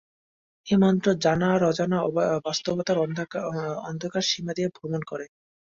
এই মন্ত্র জানা আর অজানা বাস্তবতার অন্ধকার সীমা দিয়ে ভ্রমণ করে।